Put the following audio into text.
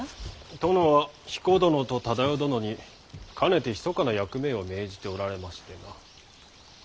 殿は彦殿と忠世殿にかねてひそかな役目を命じておられましてな。